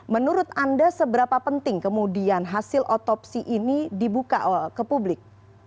menurut anda seberapa penting kemudian hasil otopsi ini dibuka ke publik